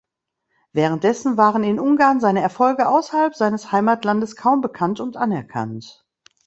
Währenddessen waren in Ungarn seine Erfolge außerhalb seines Heimatlandes kaum bekannt und anerkannt.